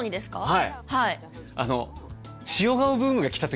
はい。